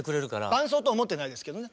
伴奏と思ってないですけどね。